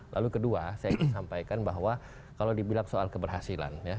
lalu kedua saya ingin sampaikan bahwa kalau dibilang soal keberhasilan